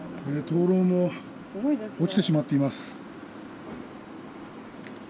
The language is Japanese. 灯ろうも落ちてしまっています。